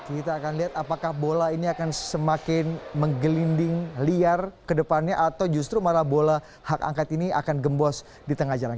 kita akan lihat apakah bola ini akan semakin menggelinding liar ke depannya atau justru malah bola hak angket ini akan gembos di tengah jalan